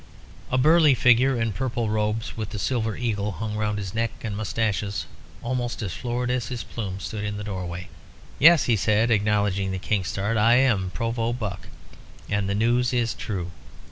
A burly figure in purple robes, with a silver eagle hung round his neck and moustaches almost as florid as his plumes, stood in the doorway. "Yes," he said, acknowledging the King's start, "I am Provost Buck, and the news is true.